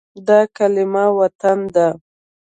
دا کلمه “وطن” ده.